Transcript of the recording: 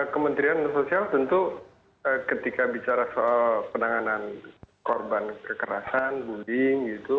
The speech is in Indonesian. kementerian sosial tentu ketika bicara soal penanganan korban kekerasan bullying gitu